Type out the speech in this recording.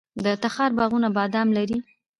د تخار باغونه بادام لري.